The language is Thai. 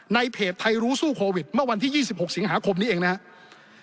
ในเพจไทยรู้สู้โควิดเมื่อวันที่๒๖สิงหาคมนี้เองนะครับ